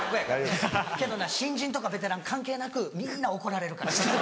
けどな新人とかベテラン関係なくみんな怒られるから。